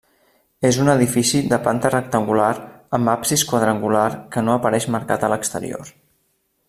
És un edifici de planta rectangular amb l'absis quadrangular que no apareix marcat a l’exterior.